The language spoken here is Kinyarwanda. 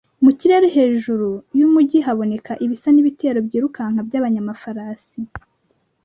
mu kirere hejuru y'umugi haboneka ibisa n'ibitero byirukanka by'abanyamafarasi